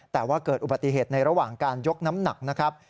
แต่ว่าเกิดอุบัติเหตุในระหว่างการยกน้ำหนักนะครับ